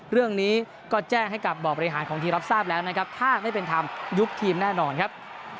เรื่องนี้ก็แจ้งให้กับบ่อบริหารของทีมรับทราบแล้วนะครับถ้าไม่เป็นธรรมยุบทีมแน่นอนครับ